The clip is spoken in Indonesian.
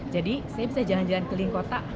jadi saya bisa jalan jalan ke lingkota